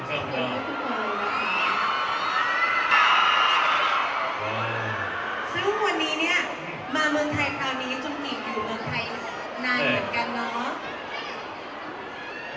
และแม่นที่สุดอีกนะครับ